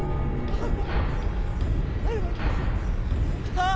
ああ！